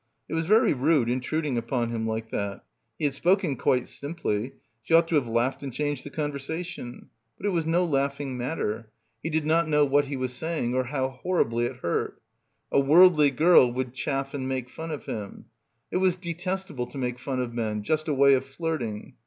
It was very rude intruding upon him like that. He had spoken quite simply. She ought to have laughed and changed the conversation. But it — 223 — PILGRIMAGE was no laughing matter. He did not know what he was saying or how horribly it hurt. A worldly girl would chaff and make fun of him. It was detestable to make fun of men; just a way of flirting.